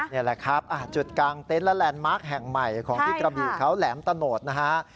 นี่แหละครับจุดกลางเต็นต์และแลนด์มาร์คแห่งใหม่ของที่กระบีเขาแหลมตะโนดนะฮะ